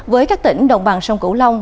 với các tỉnh đồng bằng sông cửu long